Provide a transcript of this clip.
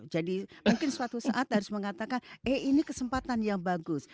jadi mungkin suatu saat harus mengatakan eh ini kesempatan yang bagus